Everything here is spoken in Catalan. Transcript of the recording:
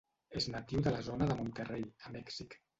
És natiu de la zona de Monterrey, a Mèxic.